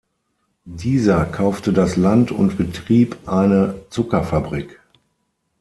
Dieser kaufte das Land und betrieb eine Zuckerfabrik.